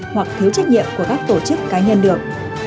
hoặc thiếu trách nhiệm của các tổ chức cá nhân được